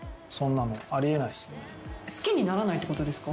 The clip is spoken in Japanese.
好きにならないってことですか？